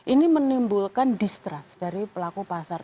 ini menimbulkan distrust dari pelaku pasar